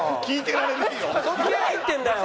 何言ってんだよ！